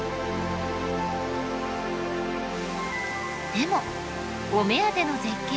でもお目当ての絶景